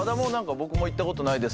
「僕も行ったことないです」